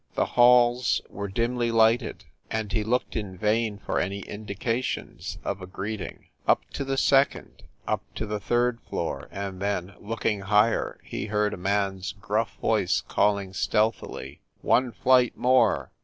The halls were dimly lighted, and he looked in vain for any indications of a greeting. Up to the second, up to the third floor, and then, look ing higher, he heard a man s gruff voice calling stealthily, "One flight more!"